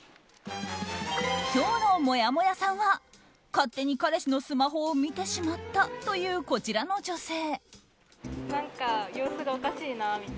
今日のもやもやさんは勝手に彼氏のスマホを見てしまったというこちらの女性。